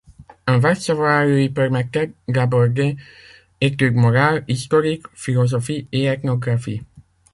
Un vaste savoir lui permettait d'aborder études morales, historiques, philosophie et ethnographie.